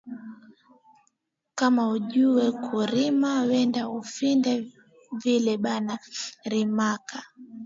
Kama aujuwe ku rima wende ufunde vile bana rimaka